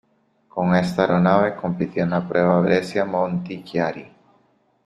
Con esta aeronave compitió en la prueba Brescia-Montichiari.